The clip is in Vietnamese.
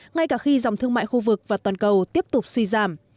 ngay cả khi dòng thương mại khu vực và toàn cầu tiếp tục suy giảm